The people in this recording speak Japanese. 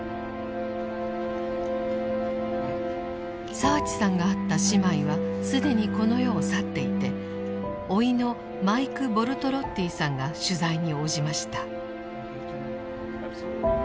澤地さんが会った姉妹は既にこの世を去っていて甥のマイク・ボルトロッティさんが取材に応じました。